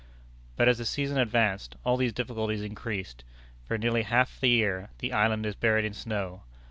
But as the season advanced, all these difficulties increased. For nearly half the year, the island is buried in snow.